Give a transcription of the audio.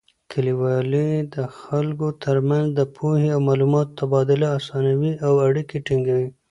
لیکوالی د خلکو تر منځ د پوهې او معلوماتو تبادله اسانوي او اړیکې ټینګوي.